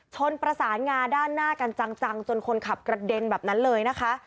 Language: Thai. ชนประสานงาด้านหน้ากันจังจนคนขับกระเด็นแบบนั้นเลยนะคะ